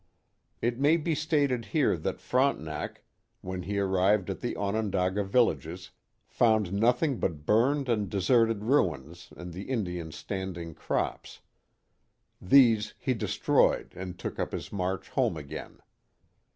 It may be stated here that Frontenac, when he arrived at the Onondaga villages, found nothing but burned and deserted ruins and the Indians* standing crops. These he destroyed and took up his march home again.